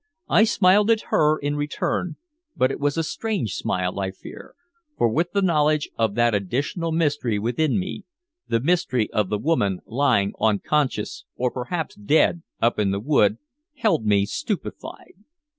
I smiled at her in return, but it was a strange smile, I fear, for with the knowledge of that additional mystery within me the mystery of the woman lying unconscious or perhaps dead, up in the wood held me stupefied.